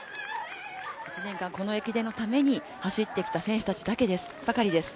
１年間、この駅伝のために走ってきた選手ばかりです。